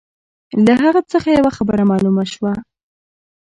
له هغه څخه یوه خبره معلومه شوه.